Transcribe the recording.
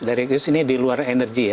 direct use ini di luar energi ya